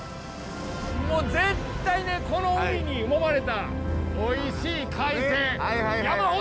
もう絶対ねこの海にもまれたおいしい海鮮山ほどあるでしょ。